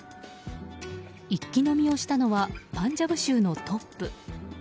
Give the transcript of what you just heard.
一気飲みをしたのはパンジャブ州のトップ。